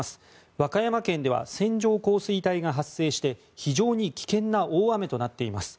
和歌山県では線状降水帯が発生して非常に危険な大雨となっています。